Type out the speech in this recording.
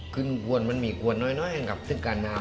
ขึ้นกวนมันมีกวนน้อยกับถึงการน้ำ